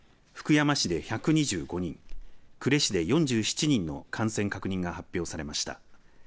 福山市で１２５人呉市で４７人の感染確認が発表されました。